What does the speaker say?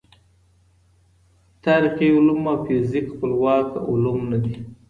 تاریخي علوم او فزیک خپلواکه علوم نه دي.